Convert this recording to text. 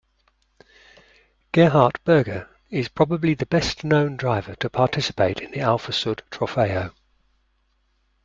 Gerhard Berger is probably the best-known driver to participate in the Alfasud Trofeo.